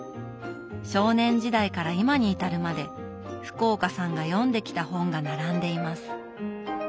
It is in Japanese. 少年時代から今に至るまで福岡さんが読んできた本が並んでいます。